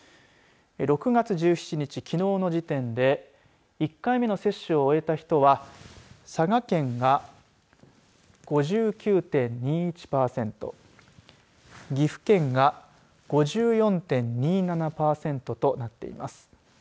６月１７日、きのうの時点で１回目の接種を終えた人は佐賀県が５９．２１パーセント岐阜県が５４．２７パーセントとなっています。